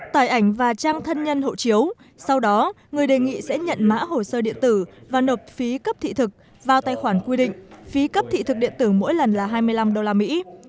tại ảnh và trang thân nhân hộ chiếu sau đó người đề nghị sẽ nhận mã hồ sơ điện tử và nộp phí cấp thị thực vào tài khoản quy định phí cấp thị thực điện tử mỗi lần là hai mươi năm đô la mỹ